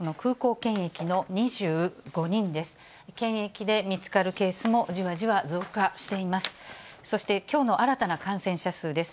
検疫で見つかるケースも、じわじわ増加しています。